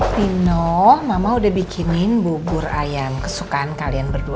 fino mama udah bikinin bubur ayam kesukaan kalian berdua